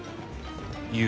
言う。